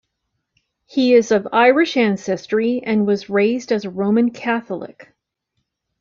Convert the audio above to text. He is of Irish ancestry and was raised as a Roman Catholic.